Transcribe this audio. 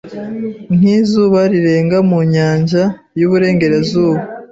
nkizuba rirenga mu nyanja yuburengerazuba